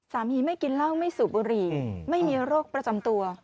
สามีไม่กินร่างไม่สูบบุหรี่ไม่มีโรคประจำตัว